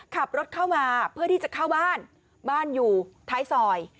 ขับรถเข้ามาเพื่อที่จะเข้าบ้านบ้านอยู่ท้ายซอย